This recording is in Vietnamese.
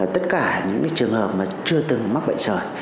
tất cả những trường hợp mà chưa từng mắc bệnh sởi